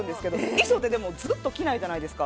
衣装ってずっと着ないじゃないですか。